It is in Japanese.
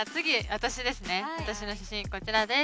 私の写真こちらです。